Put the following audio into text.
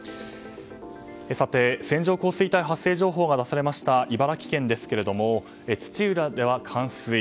線状降水帯発生情報が出されました茨城県ですが、土浦では冠水。